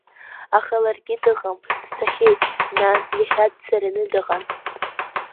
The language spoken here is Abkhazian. Аха ларгьы дыҟам, дцахьеит, нан, иахьа дцараны дыҟан.